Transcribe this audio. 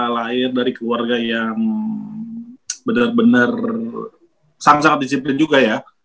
lahir dari keluarga yang benar benar sangat sangat disiplin juga ya